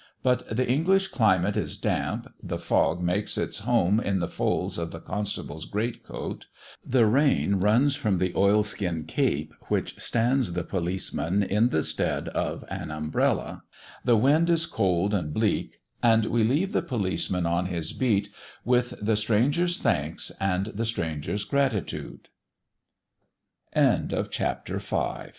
But the English climate is damp; the fog makes its home in the folds of the constable's great coat; the rain runs from the oilskin cape which stands the policeman in the stead of an umbrella; the wind is cold and bleak; and we leave the policeman on his beat with "the stranger's thanks and the stra